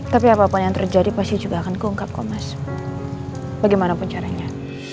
tapi apapun yang terjadi pasti juga akan keungkap kok mas bagaimanapun caranya